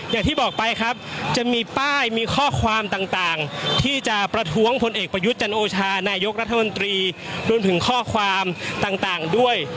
อย่างที่บอกไปครับจะมีป้ายมีข้อความต่างที่จะประท้วงพลเอกประยุทธ์จันโอชานายกรัฐมนตรีรวมถึงข้อความต่างด้วย